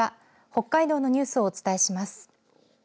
北海道のニュースをお伝えします。